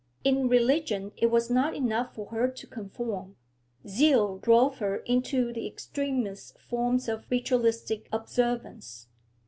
In religion it was not enough for her to conform; zeal drove her into the extremest forms of ritualistic observance.